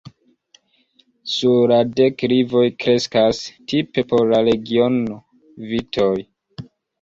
Sur la deklivoj kreskas, tipe por la regiono, vitoj.